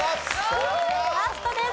ラストです。